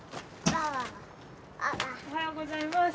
おはようございます。